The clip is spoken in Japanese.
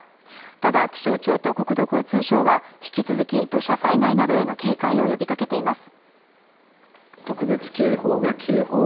ただ気象庁と国土交通省は、引き続き、土砂災害などへの警戒を呼びかけています。